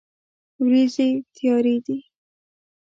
ورېځې تیارې دي